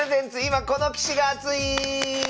「今この棋士が熱い！」。